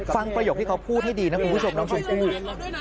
ประโยคที่เขาพูดให้ดีนะคุณผู้ชมน้องชมพู่